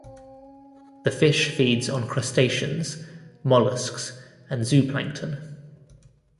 The fish feeds on crustaceans, molluscs, and zooplankton.